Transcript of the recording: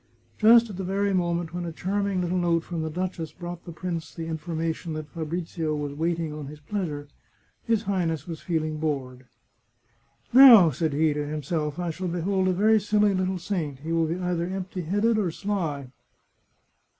Just at the very moment when a charming little note from the duchess brought the prince the information that Fabrizio was wait ing on his pleasure, his Highness was feeling bored. " Now," said he to himself, " I shall behold a very silly little saint; he will be either empty headed or sly."